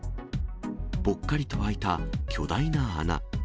ぽっかりと開いた巨大な穴。